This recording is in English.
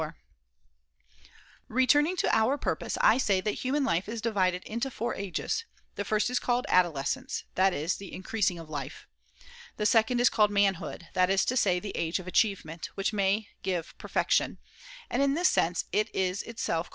] Returning to our purpose, I say that human Adoles life is divided into four ages. The first is called cence adolescence, that is, the ' increasing ' of life. The second is called ' manhood,' that is to say, the age of achievement, which may give per fection, and in this sense it is itself called 348 THE CONVIVIO Ch.